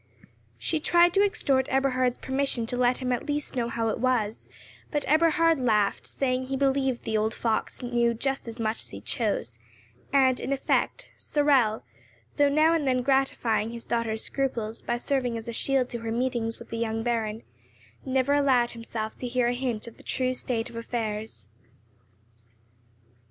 She tried to extort Eberhard's permission to let him at least know how it was; but Eberhard laughed, saying he believed the old fox knew just as much as he chose; and, in effect, Sorel, though now and then gratifying his daughter's scruples, by serving as a shield to her meetings with the young Baron, never allowed himself to hear a hint of the true state of affairs.